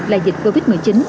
là dịch covid một mươi chín